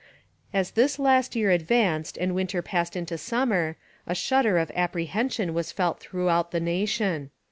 As this last year advanced and winter passed into summer, a shudder of apprehension was felt throughout the nation.